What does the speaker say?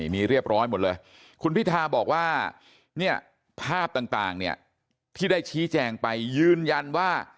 มีเรียบร้อยหมดเลยคุณพิธาบอกว่าเนี่ยภาพต่างเนี่ยที่ได้ชี้แจงไปยืนยันว่า